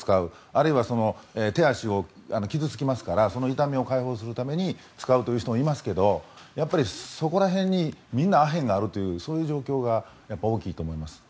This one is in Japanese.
あるいは手足が傷付きますからその痛みを解放するために使う人もいますけどやっぱりそこら辺にみんなアヘンがあるというそういう状況が大きいと思います。